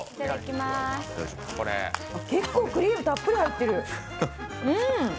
結構クリームたっぷり入ってる。